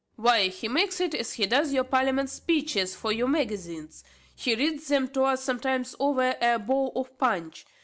"Why he makes it, as he doth your parliament speeches for your magazines. He reads them to us sometimes over a bowl of punch.